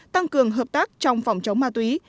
tăng cường hợp tác trong phòng chống ma túy